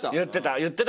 言ってた。